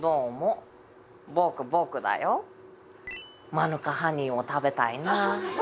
「マヌカハニーを食べたいな」